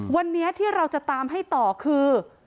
วันนี้ที่เราจะตามให้ต่อคือ